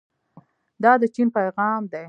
دا د چین پیغام دی.